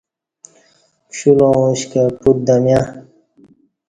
کشولاں اُشکہ پُت دمیں